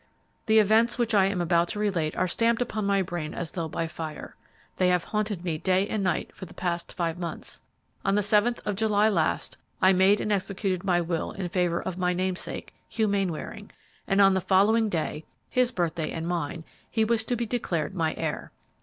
"The events which I am about to relate are stamped upon my brain as though by fire; they have haunted me day and night for the past five months. On the seventh of July last, I made and executed my will in favor of my namesake, Hugh Mainwaring, and on the following day his birthday and mine he was to be declared my heir.